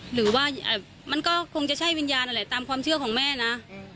หรือว่ามันก็คงจะใช่วิญญาณนั่นแหละตามความเชื่อของแม่นะ